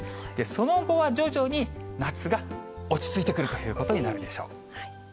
その後は徐々に夏が落ち着いてくるということになるでしょう。